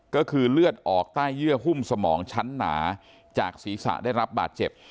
ก็คือเลือดออกใต้เยื่อหุ้มสมองชั้นหนาจากศีรษะได้รับบาดเจ็บ